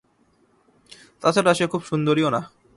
তা ছাড়া সে খুব সুন্দরীও না।